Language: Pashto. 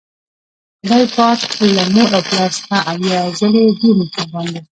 خدای پاک له مور او پلار څخه اویا ځلې ډیر مهربان ده